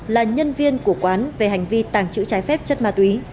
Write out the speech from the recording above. là nhân viên của quán về hành vi tàng trữ trái phép chất ma túy